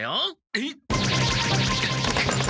えっ？